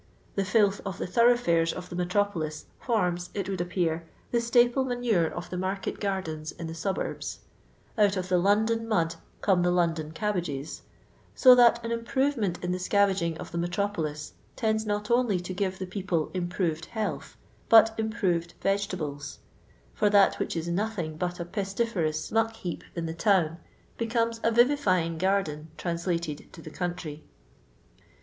The filth of the thorough&res of the metropolis forms, it would appear, the staple manure of the market gardens in the suburbs ; out of the London mud come the London cabbages : so that an improve ment in the scaraging of the metropolis tends not only to give the people improved health, but im proved vegetables ; for that which is nothing but a pestiferous muck heap in the town becomes a vivifying garden translated to the country.